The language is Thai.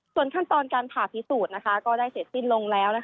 ส่วนขั้นตอนการผ่าพิสูจน์ก็ได้เสร็จสิ้นลงแล้ว